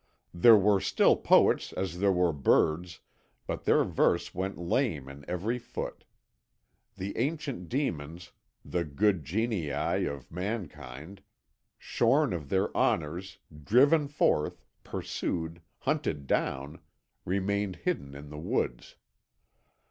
There were still poets as there were birds, but their verse went lame in every foot. The ancient demons, the good genii of mankind, shorn of their honours, driven forth, pursued, hunted down, remained hidden in the woods.